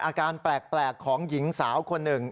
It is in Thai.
อาการแปลกของหญิงสาวคนหนึ่ง